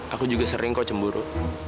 aku juga sering kok cemburu